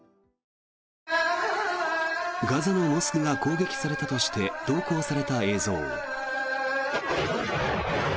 ガザのモスクが攻撃されたとして投稿された映像。